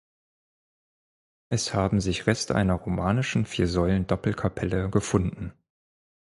Es haben sich Reste einer romanischen Vier-Säulen-Doppelkapelle gefunden.